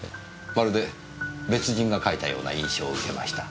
まるで別人が書いたような印象を受けました。